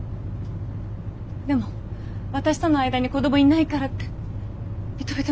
でも私との間に子供いないからって認めてもらえないんです。